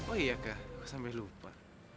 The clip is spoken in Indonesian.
oh iya kak gue sampe lupa